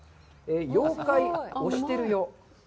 「妖怪おしてるよ」。